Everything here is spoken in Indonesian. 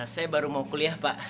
saya baru mau kuliah pak